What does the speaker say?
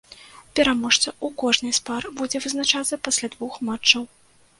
Пераможца ў кожнай з пар будзе вызначацца пасля двух матчаў.